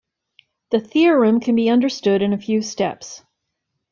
The theorem can be understood in a few steps.